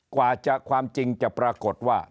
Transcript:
ความจริงจะปรากฏว่า